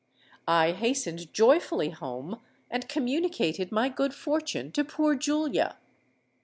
I hastened joyfully home, and communicated my good fortune to poor Julia.